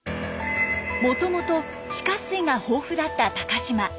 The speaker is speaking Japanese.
もともと地下水が豊富だった高島。